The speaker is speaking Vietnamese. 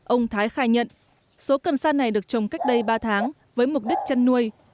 ông thái khai nhận số cần sa này được trồng cách đây ba tháng với mục đích chăn nuôi